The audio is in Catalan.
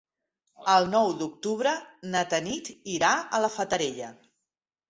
El nou d'octubre na Tanit irà a la Fatarella.